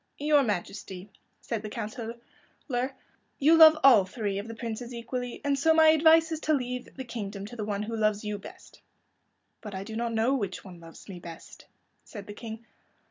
"Your Majesty," said the Councilor, "you love all three of the princes equally, and so my advice is to leave the kingdom to the one who loves you best." "But I do not know which one loves me best," said the King.